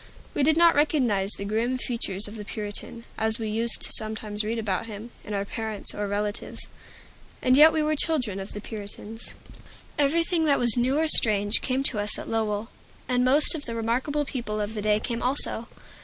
We did not recognize the grim features of the Puritan, as we used sometimes to read about him, in our parents or relatives. And yet we were children of the Puritans. Everything that was new or strange came to us at Lowell. And most of the remarkable people of the day came also.